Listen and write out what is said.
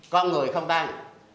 con người không tan